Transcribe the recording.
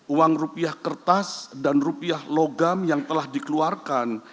uang rupiah kertas dan rupiah logam yang telah dikeluarkan